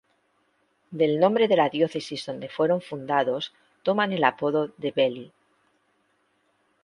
Del nombre de la diócesis donde fueron fundados toman el apodo de Belley.